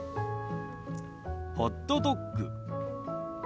ホットドッグ。